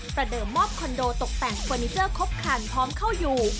เดิมมอบคอนโดตกแต่งเฟอร์นิเจอร์ครบครันพร้อมเข้าอยู่